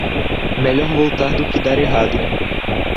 Melhor voltar do que dar errado.